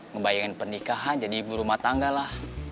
ngebayangin pernikahan jadi ibu rumah tangga lah